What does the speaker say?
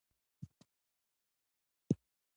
د غوره کار لپاره